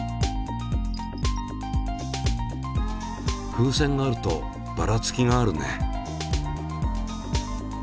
風船があるとばらつきがあるね。